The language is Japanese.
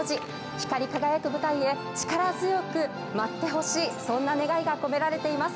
光り輝く舞台へ力強く舞ってほしい、そんな願いが込められています